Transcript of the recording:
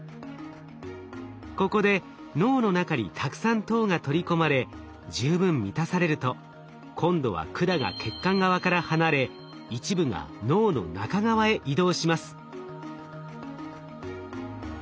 ここで脳の中にたくさん糖が取り込まれ十分満たされると今度は管が血管側から離れ一部が脳の中側へ移動します。